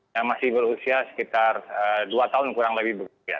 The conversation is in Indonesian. yang masih berusia sekitar dua tahun kurang lebih